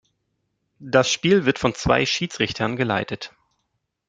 Das Spiel wird von zwei Schiedsrichtern geleitet.